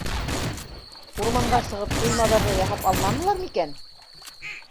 Урманға сығып туй-маҙар ҙа яһап алманылар микән?